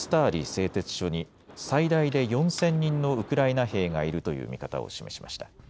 製鉄所に最大で４０００人のウクライナ兵がいるという見方を示しました。